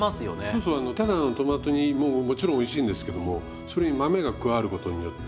そうそうただのトマト煮ももちろんおいしいんですけどもそれに豆が加わることによって味に深みが出てきますよね。